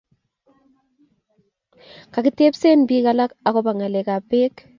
kakitepsen piik alak akopo ngalek kab peek